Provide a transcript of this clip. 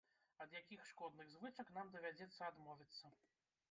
Ад якіх шкодных звычак нам давядзецца адмовіцца?